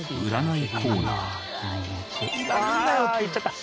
あいっちゃった。